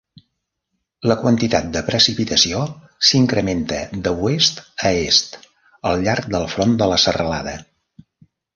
La quantitat de precipitació s'incrementa d'oest a est al llarg del front de la serralada.